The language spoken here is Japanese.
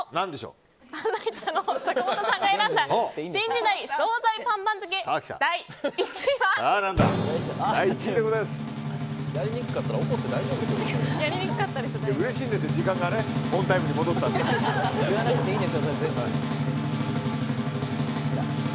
うれしいんです、時間がオンタイムに戻ったので。